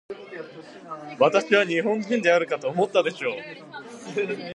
私は日本人であるかと思ったでしょう。